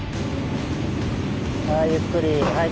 ゆっくりはい。